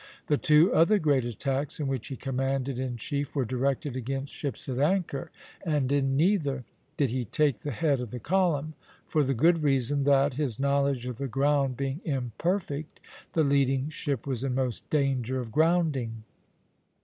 The two other great attacks in which he commanded in chief were directed against ships at anchor, and in neither did he take the head of the column; for the good reason that, his knowledge of the ground being imperfect, the leading ship was in most danger of grounding.